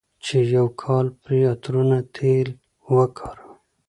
چې يو کال پرې عطرونه، تېل وکاروي،